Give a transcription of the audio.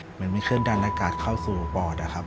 เหมือนมีเครื่องดันอากาศเข้าสู่ปอดอะครับ